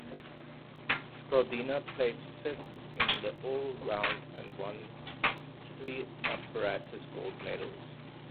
Skaldina placed fifth in the all-around and won three apparatus gold medals.